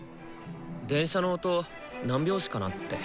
電車の音何拍子かなって。